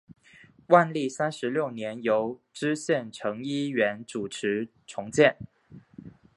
万历三十六年由知县陈一元主持重建。